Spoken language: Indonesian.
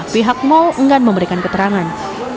pihak mall enggan memberikan keterangan